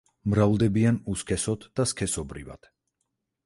მრავლდებიან უსქესოდ და სქესობრივად.